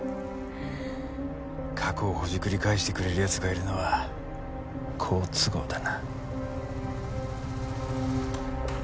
過去をほじくり返してくれる奴がいるのは好都合だな。